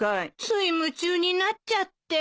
つい夢中になっちゃって。